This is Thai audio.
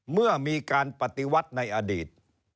เมื่อมีการปฏิวัติในอดีต